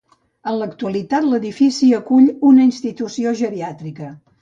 En l'actualitat, l'edifici acull una institució geriàtrica.